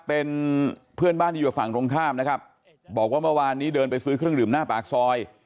เป็นเพื่อนบ้านที่อยู่ฝั่งตรงข้ามนะครับบอกว่าเมื่อวานนี้เดินไปซื้อเครื่องดื่มหน้าปากซอย